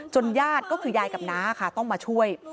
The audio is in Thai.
ญาติก็คือยายกับน้าค่ะต้องมาช่วย